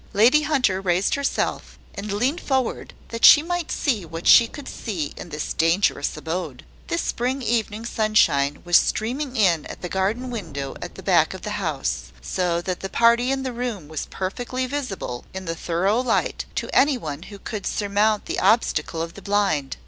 Lady Hunter raised herself, and leaned forward, that she might see what she could see in this dangerous abode. The spring evening sunshine was streaming in at the garden window at the back of the house; so that the party in the room was perfectly visible, in the thorough light, to any one who could surmount the obstacle of the blind.